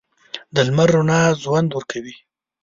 د لمر رڼا ژوند ورکوي.